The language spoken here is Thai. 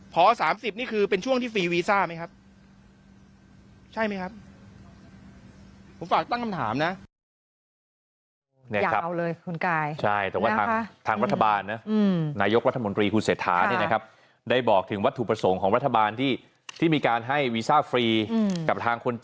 พอ๓๐นี่คือเป็นช่วงที่ฟรีวีซ่าไหมครับ